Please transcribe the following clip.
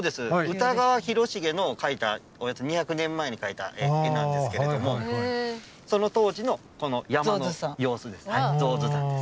歌川広重の描いたおよそ２００年前に描いた絵なんですけれどもその当時のこの山の様子です。